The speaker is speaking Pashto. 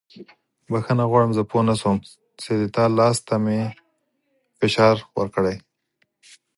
بښنه غواړم زه پوه نه شوم چې ستا لاس ته مې فشار ورکړی.